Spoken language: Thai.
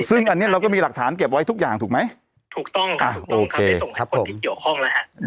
ซึ่งอันนี้เราก็มีหลักฐานเก็บไว้ทุกอย่างถูกไหมถูกต้องครับถูกต้องครับได้ส่งให้คนที่เกี่ยวข้องแล้วฮะ